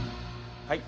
はい。